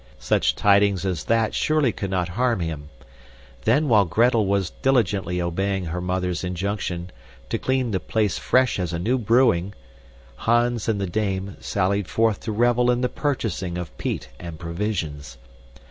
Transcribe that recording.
Such tidings as that surely could not harm him. Then while Gretel was diligently obeying her mother's injunction to "clean the place fresh as a new brewing," Hans and the dame sallied forth to revel in the purchasing of peat and provisions.